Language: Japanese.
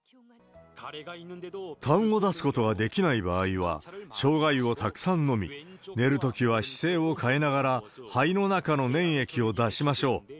たんを出すことができない場合は、ショウガ湯をたくさん飲み、寝るときは姿勢を変えながら、肺の中の粘液を出しましょう。